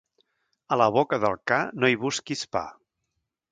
A la boca del ca no hi busquis pa.